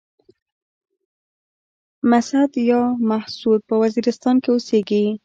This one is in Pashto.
مسيد يا محسود په وزيرستان کې اوسيږي.